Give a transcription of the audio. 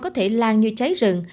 có thể lan như cháy rừng